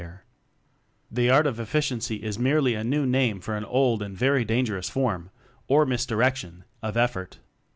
40 WORKING EXPLOSIVELY The "Art of Efficiency" is merely a new name for an old and very dangerous form or misdirection of effort.